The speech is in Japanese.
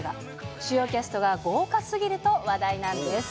主要キャストが豪華すぎると話題なんです。